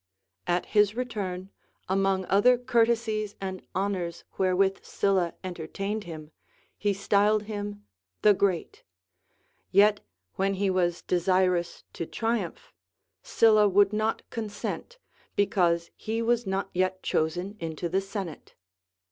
At his re turn, among other courtesies and honors Λvherewith Sylla entertained him, he styled him The Great ; yet when he was desirous to triumph, Sylla would not consent, because he was not yet chosen into the senate.